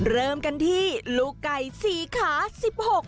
เริ่มกันที่ลูกไก่๔ขา๑๖